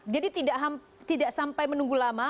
jadi tidak sampai menunggu lama